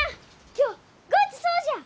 今日ごちそうじゃ！